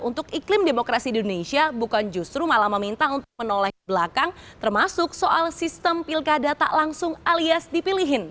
untuk iklim demokrasi di indonesia bukan justru malah meminta untuk menoleh belakang termasuk soal sistem pilkada tak langsung alias dipilihin